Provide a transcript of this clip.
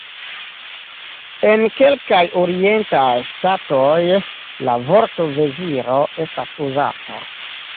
En kelkaj orientaj ŝtatoj la vorto "veziro" estas uzata.